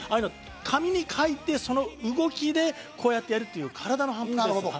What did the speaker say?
紙に書いてその動きでこうやってやるという体の反復です。